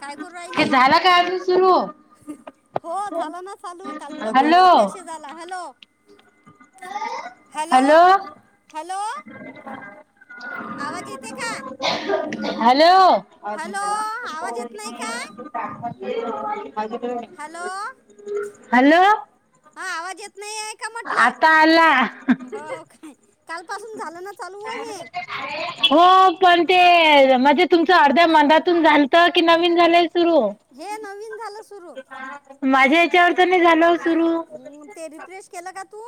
काय करू राहिली हे झाला का अजून सुरू हो झाला ना चालू. हॅलो कालच मेसेज आला हॅलो हॅलो हॅल हॅलो आवाज येते का? हॅलो हॅलो आवाज येत नाही का हॅलो हॅलो हा आवाज येत नाही आहे का म्हटलं आता आला. काल पासून झालं ना चालू व हे. हो पण ते म्हणजे तुमचं अर्ध्या मंदातून झालत की नवीन झालंय? सुरू हे नवीन झालं सुरू. च्यावरच नाही झालं. सुरू हम्म ते रिफ्रेश केलं का तू?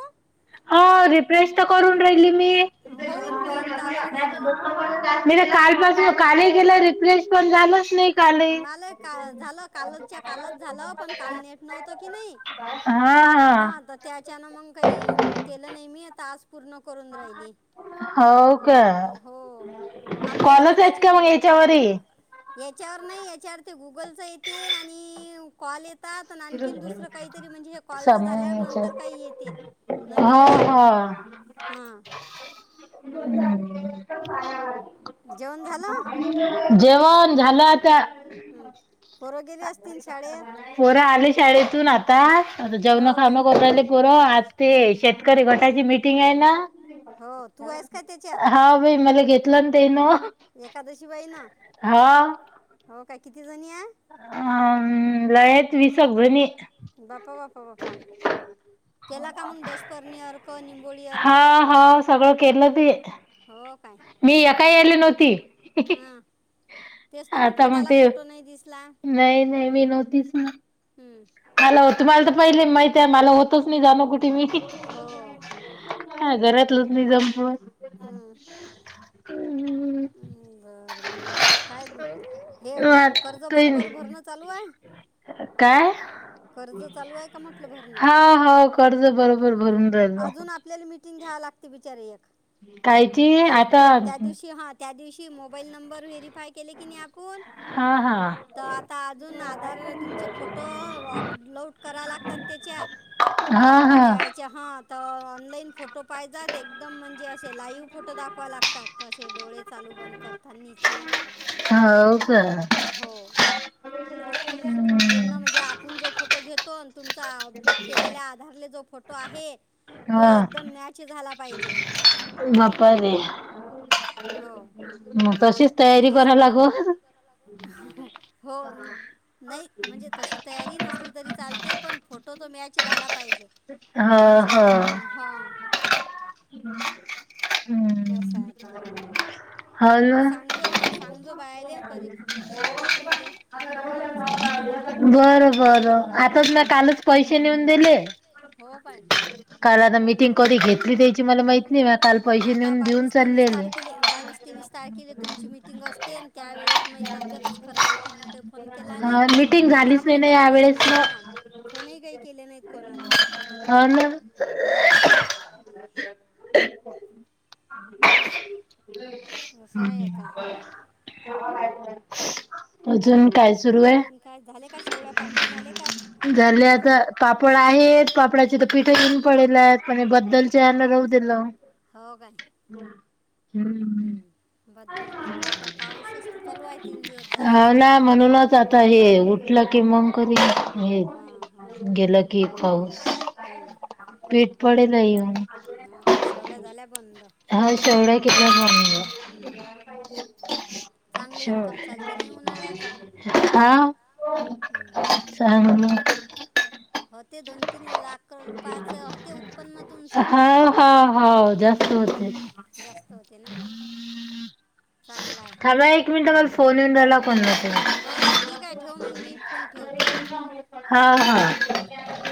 हो रिप्रेश तर करून राहिली मी. होईन होईन चालही होईन मग नाही कालपासून काल गेलं रिफ्रेश पण झालंच नाही. कालही मला का झालं कालच्या कालच झालं पण काल नेट नव्हत की नाही, हां हा आता त्याच्यान मंग काही केलं नाही मी आता आज पूर्ण करून राहिली. हो का हो आपल्याला कॉलच आहेत का मग याच्यावर ही? त्याच्यावर नाही याच्यावर गुगलचा येते आणि कॉल ये आणखीन दुसरं काहीतरी म्हणजे हे कॉलच झाल्या नंतर काही येते हा नवीन टा हा हां [inaudible] हम् [unintelligible] जेवण झालं जेवण झालं आता हं. पोरं गेले असतील शाळेत पोरं आले शाळेतून आता जेवण हो काय खाणं गले पोरं आज ते हं. शेतकरी घट त्याची मीटिंग आहे ना हो तू आहेस का त्याच्यात हा बाई मला घेतलं ना तेन एकादशी बाई ना हो काय किती जणी या हम् लयाच विसगजणी कबा [unintelligible] केला का मग दशपर्णी अर्ख निंबोळी अर्ख हा हा सगळं केलं ते हो काय मी या काय याले नव्हती हा तेच तर आता म्हटलं मग त्याला ते फोटो नाही दिसला नाही नाही मी नव्हतीच ना हं. हॅलो तुम्हाला तर पहिले माहित आहे मला होतच नाही जाण कुठे मी हो का घरातलंच नाही जमपवत हं. हम्म बरं [inaudible] काय हे [unintelligible] कर्ज बरोबर भरणं चालू आहे काय कर्ज चालू आहे का म्हटलं भरण हा हो कर्ज बरोबर भरून राहिलो. अजून आपल्याला मिटिंग घ्याव लागते [unintelligible] कायती ते आता ते त्या दिवशी हां त्या दिवशी मोबाईल नंबर व्हेरीफाय केले की नाही आपण हा हा. तर आता अजून आधार तुमचे फोटो अपलोड करा लागतात त्याच्यात हा हा त्याच्या हा तर ऑनलाईन फोटो पाहिजात एकदम म्हणजे असे लाइव्ह फोटो दाखवा लागतात असे डोळे चालू बंद करतात निचे हो का हो पूर्ण हम्म म्हणजे आपण जो फोटो घेत तुम अपडेट केलेला आधारला जो फोटो आहे तो हा एकदम मॅच झाला पाहिजे, हो [unintelligible] मग तशीच तयारी करा त्याच्यासाठी लागल हो. नाही म्हणजे तशी तयारी नसली तरी चालते पण फोटो तो मॅच झाला पाहिजे हा हा चेहऱ्यावरून हो अस हम्म आता हो त ना सांगो ह सांगजो बायले कधी मिटिंग घेता त मला फोन लावून सांगून दे जा बरं बरं आताच हां म कालच पैसे नेऊन दिले हो काय काल आता मीटिंग कधी घेतली त्याची मला माहित नाही काल ना पैसे आता नेऊन देऊन बावीस तेवीस चाललेले तारखेले त्या वेळेेत माझ तब्येतच खराब होती मी काय फोन केला नाही हा मिटिंग आणि झालीच नाही कामही ना काही या केले वेळेस नाहीत ना हा फोनही काही केले नाहीत कोणालेच हो ना हं, असं आहे आता अजून काय सुरू आहे आणखीन काय झाले का शेवळ्या पापड झाले का झाले आता बंद पापड आहेत पापडाचे तर पीठ घेऊन पडेल आहेत पण हो काय बद्दलच्या होवु देल ना हो. [unintelligible] हम्म. हम्म बद्दल खूप आता पाऊसच तर चालू आहे तीन दिवस झाले आताच आता हे उठलं की मंग करी हे, गेलं की पाऊस हम्म. पडे नाही शेवळ्या झाल्या बंद हा शेवढ्या हं. [inaudible] चांगलं इन्कम चालते नाही उन्हाळ्याचं हा. चांगलं. हो ते दोन तीन लाख रुपयाचं होते उत्पन्न तुमचं हा हा हा जास्त होते जास्त होते नाही चांगलं [unintelligible] आहे थांब एक मिनिट मला फोन येऊन राहिला कोणाचा बरं ठीक आहे ठेव मग मी फोन ठेवतो हा ठेव